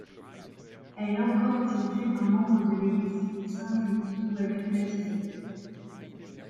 Elle est encore aujourd'hui un membre de l’Église Saint Jude, où elle fut baptisée.